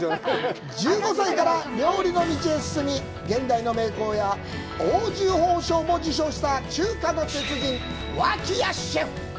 １５歳から料理の道へ進み現代の名工や、黄綬褒章も受賞した中華の鉄人・脇屋シェフ！